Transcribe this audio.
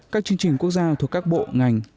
các chương trình quốc gia thuộc các bộ ngành